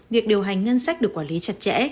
việc điều hành ngân sách được quản lý chặt chẽ